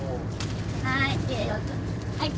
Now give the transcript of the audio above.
はい。